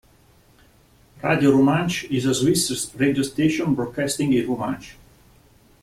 Radio Rumantsch is a Swiss radio station broadcasting in Romansh.